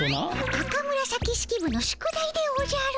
赤紫式部の宿題でおじゃる。